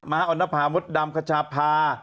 มหาออนภามดดำขจาภา